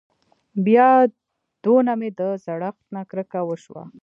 بيا دونه مې د زړښت نه کرکه وشوه.